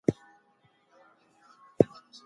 تاسو کولای شئ چې په خپلو مالونو کې زکات وباسئ.